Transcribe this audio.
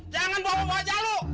jangan bawa bawa jahlo